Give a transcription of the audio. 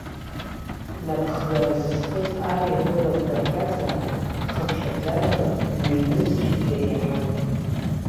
Напхгара зысҭоз ар ирылаз кавказаа хыԥхьаӡарала ҩ-нызқьҩык иреиҳан.